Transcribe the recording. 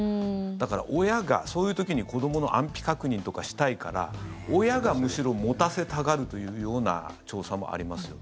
だから親がそういう時に子どもの安否確認とかしたいから親がむしろ持たせたがるというような調査もあります。